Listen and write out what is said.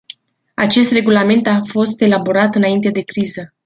Acest regulament a fost elaborat înainte de criză.